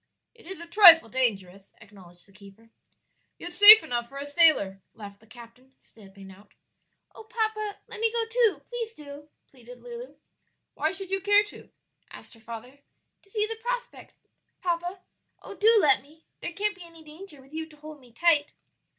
"It is a trifle dangerous," acknowledged the keeper. "Yet safe enough for a sailor," laughed the captain, stepping out. "Oh, papa, let me go too, please do!" pleaded Lulu. "Why should you care to?" asked her father. "To see the prospect, papa; oh, do let me! there can't be any danger with you to hold me tight."